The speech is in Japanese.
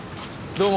どうも。